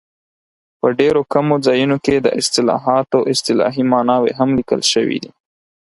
په ډېرو کمو ځایونو کې د اصطلاحاتو اصطلاحي ماناوې هم لیکل شوي دي.